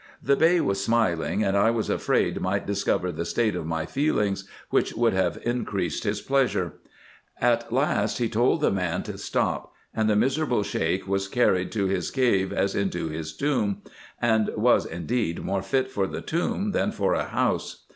The Bey was smiling, and I was afraid might discover the state of my feelings, which would have increased his pleasure. At last he told the man to stop, and the miserable Sheik was carried to his cave as into his tomb ; and was, indeed, more fit for the tomb than for a house.